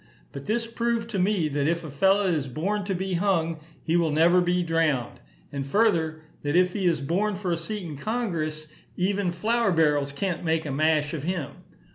But this proved to me, that if a fellow is born to be hung, he will never be drowned; and, further, that if he is born for a seat in Congress, even flour barrels can't make a mash of him.